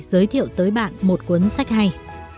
giới thiệu tới bạn một cuốn sách hay